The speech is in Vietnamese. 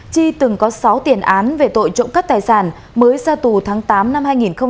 chi từng có sáu tiền án về tội trộm cắt tài sản mới ra tù tháng tám năm hai nghìn một mươi ba